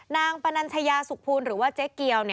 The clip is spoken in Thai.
ปนัญชยาสุขภูลหรือว่าเจ๊เกียว